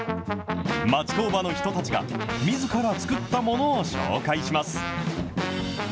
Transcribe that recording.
町工場の人たちがみずから作ったものを紹介します。